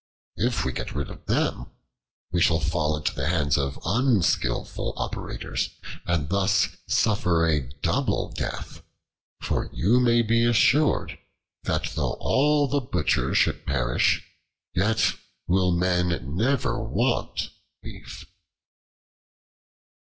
If we get rid of them, we shall fall into the hands of unskillful operators, and thus suffer a double death: for you may be assured, that though all the Butchers should perish, yet will men never want beef."